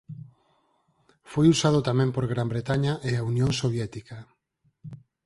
Foi usado tamén por Gran Bretaña e a Unión Soviética.